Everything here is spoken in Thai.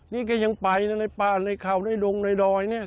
นี่แกยังไปในปลาในเขาในดงในดอยเนี่ย